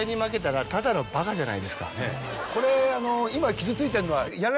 これ。